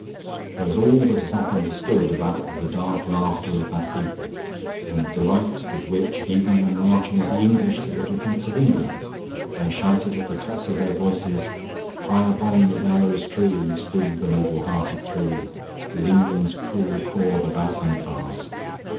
There was all that is not understood, about the dark laughter of that people, in the delight with which, even when marching with the English to the defense of England, they shouted at the top of their voices, 'High upon the gallows tree stood the noble hearted three ... With England's cruel cord about them cast.'